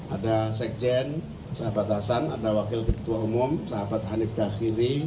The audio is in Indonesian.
ada sekjen sahabat hasan ada wakil ketua umum sahabat hanif dahiri